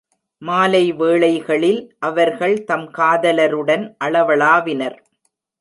மாலை வேளைகளில் அவர்கள் தம் காதலருடன் அளவளாவினர்.